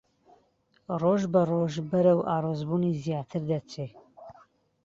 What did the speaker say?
ڕۆژبەڕۆژ بەرەو ئاڵۆزبوونی زیاتر دەچێ